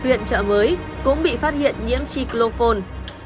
huyện trợ mới cũng bị phát hiện nhiễm triclofon